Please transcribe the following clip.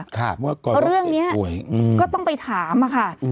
ค่ะเพราะเรื่องเนี่ยก็ต้องไปถามอะค่ะ